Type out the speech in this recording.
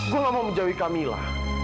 gue gak mau menjauh camilla